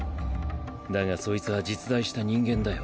だがそいつは実在した人間だよ。